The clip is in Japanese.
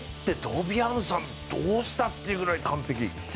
トビ・アムサン、どうしたっていうぐらい完璧。